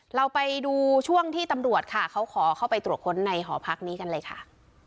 เราไปดูช่วงที่ตำรวจค่ะเขาขอเข้าไปตรวจค้นในหอพักนี้กันเลยค่ะ